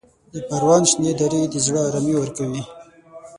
د پروان شنې درې د زړه ارامي ورکوي.